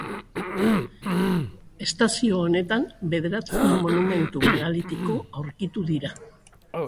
Estazio honetan bederatzi monumentu megalitiko aurkitu dira.